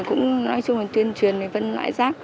cũng nói chung là tuyên truyền với văn loại rác